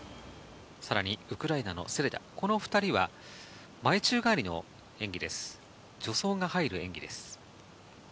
さらにウクライナのセレダ、この２人は、前宙返りの演技です。